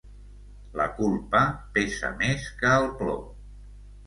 La culpa pesa més que el plom.